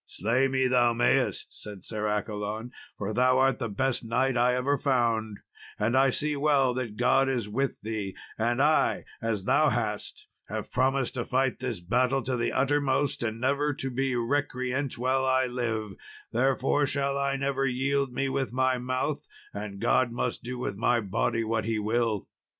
"Slay me thou mayest," said Sir Accolon, "for thou art the best knight I ever found, and I see well that God is with thee; and I, as thou hast, have promised to fight this battle to the uttermost, and never to be recreant while I live; therefore shall I never yield me with my mouth, and God must do with my body what he will."